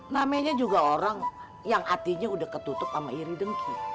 namanya juga orang yang hatinya udah ketutup sama iri dengki